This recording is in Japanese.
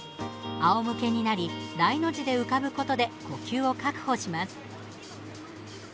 あおむけになり大の字で浮かぶことで呼吸を確保します。